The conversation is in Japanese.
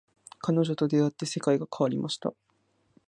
彼女と出会って世界が広がりました